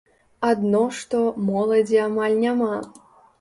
Адно што, моладзі амаль няма.